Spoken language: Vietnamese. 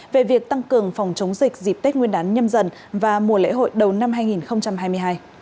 về việc tăng cường phòng chống dịch dịp tết nguyên đán nhâm dần và mùa lễ hội đầu năm hai nghìn hai mươi hai